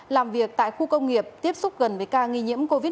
làm việc tại khu công nghiệp tiếp xúc gần với ca nghi nhiễm covid một mươi chín